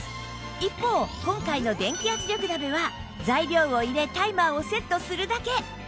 一方今回の電気圧力鍋は材料を入れタイマーをセットするだけ